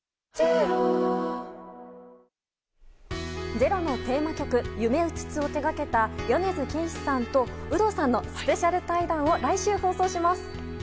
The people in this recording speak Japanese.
「ｚｅｒｏ」のテーマ曲「ゆめうつつ」を手掛けた米津玄師さんと有働さんのスペシャル対談を来週、放送します。